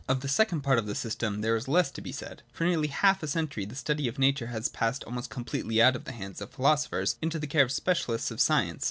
Of the second part of the system there is less to be said. For nearly half a century the study of nature has passed almost completely out of the hands of the philo sophers into the care of the specialists of science.